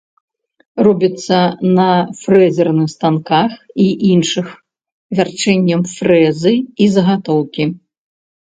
Робіцца на фрэзерных станках і іншых вярчэннем фрэзы і загатоўкі.